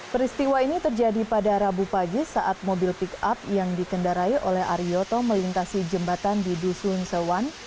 peristiwa ini terjadi pada rabu pagi saat mobil pick up yang dikendarai oleh ariyoto melintasi jembatan di dusun sewan